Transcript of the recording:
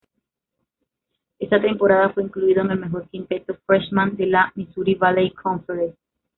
Esa temporada fue incluido en el mejor quinteto "freshman" de la Missouri Valley Conference.